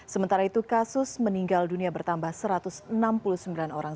sementara itu kasus meninggal dunia bertambah satu ratus enam puluh sembilan orang